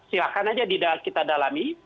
silahkan saja kita dalami